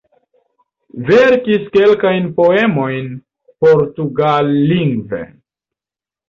Verkis kelkajn poemojn portugallingve.